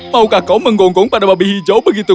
maukah kau menggonggong pada babi hijau begitu